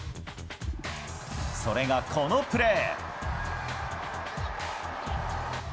それが、このプレー。